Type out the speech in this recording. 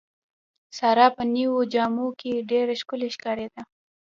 ساره په نوو جامو کې ډېره ښکلې ښکارېده.